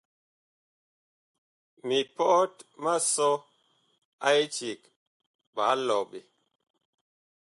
Mipɔt ma sɔ a eceg ɓaa lɔɓe.